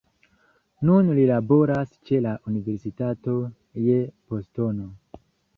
Nun li laboras ĉe la Universitato je Bostono.